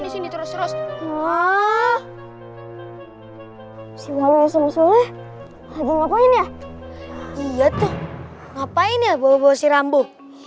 si walu ya sama sama lagi ngapain ya iya tuh ngapain ya bawa bawa si rambu